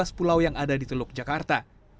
dari seluruh pulau yang ada di teluk jakarta